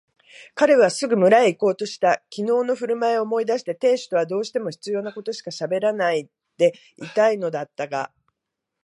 彼はすぐ村へいこうとした。きのうのふるまいを思い出して亭主とはどうしても必要なことしかしゃべらないでいたのだったが、